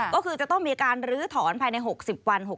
ก็คือจะต้องมีการลื้อถอนภายใน๖๐วัน